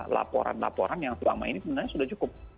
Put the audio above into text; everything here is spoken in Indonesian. laporan laporan yang selama ini sebenarnya sudah cukup